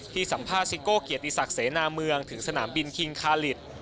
สัมภาษณ์ซิโก้เกียรติศักดิ์เสนาเมืองถึงสนามบินคิงคาลิต